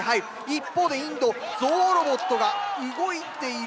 一方でインドゾウロボットが動いているかどうか。